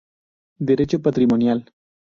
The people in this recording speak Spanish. Derecho patrimonial.